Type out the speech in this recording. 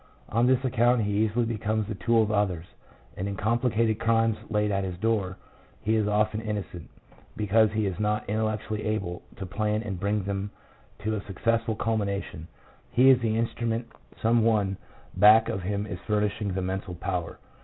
On this account he easily becomes the tool of others, and in complicated crimes laid at his door, he is often innocent, because he is not intellectually able to plan and bring them to a successful culmination ; he is the instrument, some one back of him is furnishing the mental power.